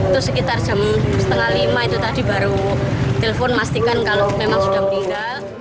itu sekitar jam setengah lima itu tadi baru telepon mastikan kalau memang sudah meninggal